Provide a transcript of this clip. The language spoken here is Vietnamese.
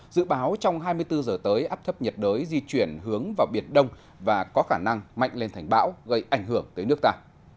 dự báo trong hai mươi bốn giờ tới áp thấp nhiệt đới di chuyển hướng vào biển đông và có khả năng mạnh lên thành bão gây ảnh hưởng tới nước ta